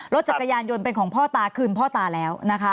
รถจักรยานยนต์เป็นของพ่อตาคืนพ่อตาแล้วนะคะ